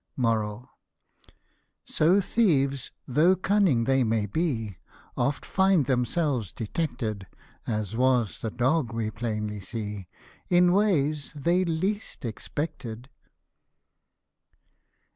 So thieves, though cunning they may be, Oft' find themselves detected (As was the dog, we plainly see,) In ways they least expected.